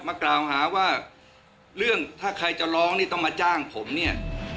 มากล่าวหาว่าเรื่องถ้าใครจะร้องนี่ต้องมาจ้างผมเนี่ย